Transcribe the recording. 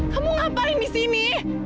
kamu ngapain di sini